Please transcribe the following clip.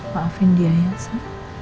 maafin dia ya sa